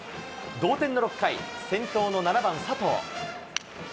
同点の６回、先頭の７番佐藤。